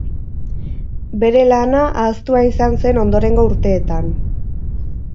Bere lana ahaztua izan zen ondorengo urteetan.